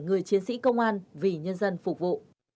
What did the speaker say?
người chiến sĩ công an vì nhân dân phục vụ